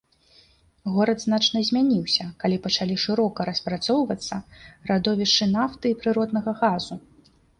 Горад значна змяніўся калі пачалі шырока распрацоўвацца радовішчы нафты і прыроднага газу.